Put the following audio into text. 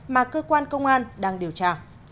mà cơ quan công an đang điều tra